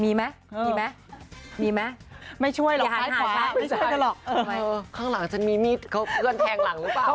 มีมั้ยมีมั้ยมีมั้ยไม่ใช่หรอกข้างหลังจะมีมีดเข้าเพื่อนแทงหลังหรือเปล่า